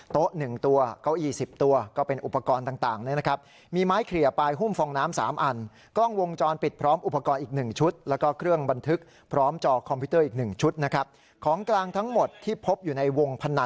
โต๊ะ๑ตัวเก้าอี้๑๐ตัว